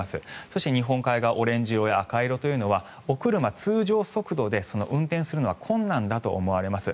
そして日本海側オレンジ色や赤色というのはお車、通常速度で運転するのは困難だと思われます。